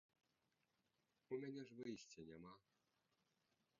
У мяне ж выйсця няма.